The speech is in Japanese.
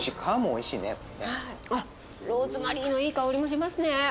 あっローズマリーのいい香りもしますね。